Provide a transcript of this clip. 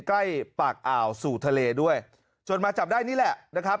ใกล้ปากอ่าวสู่ทะเลด้วยจนมาจับได้นี่แหละนะครับ